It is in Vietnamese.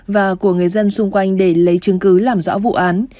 và của người dân xung quanh để lấy chứng cứ làm rõ vụ án